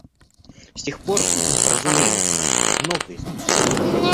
С тех пор, разумеется, многое изменилось.